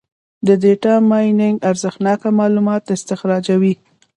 د ډیټا مایننګ ارزښتناکه معلومات استخراجوي.